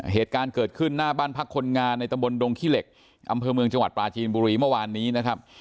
เหตุการณ์เกิดขึ้นหน้าบ้านพักคนงานในตำบลดงขี้เหล็กอำเภอเมืองจังหวัดปลาจีนบุรีเมื่อวานนี้นะครับ